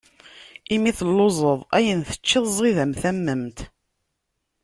Imi telluẓeḍ ayen teččiḍ ẓid am tamment.